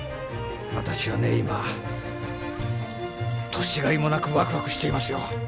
私はね今年がいもなくワクワクしていますよ。